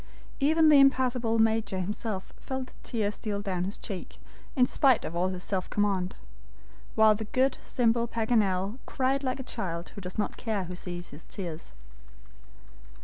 Even the impassable Major himself felt a tear steal down his cheek in spite of all his self command; while the good, simple Paganel cried like a child who does not care who sees his tears.